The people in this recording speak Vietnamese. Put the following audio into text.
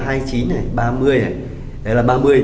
đấy là ba mươi